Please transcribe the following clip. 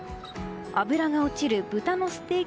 脂が落ちる豚のステーキ